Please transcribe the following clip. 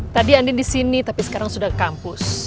tadi andin disini tapi sekarang sudah kampus